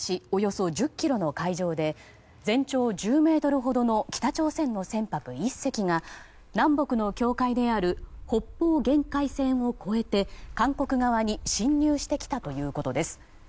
およそ１０ｋｍの海上で全長１０ｍほどの北朝鮮の船舶１隻が南北の境界である北方限界線を越えて韓国側に侵入してきたということです。